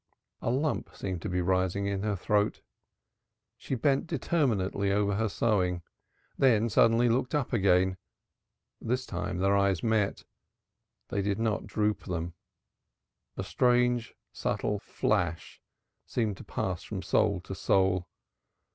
A lump seemed to be rising in her throat. She bent determinedly over her sewing, then suddenly looked up again. This time their eyes met. They did not droop them; a strange subtle flash seemed to pass from soul to soul.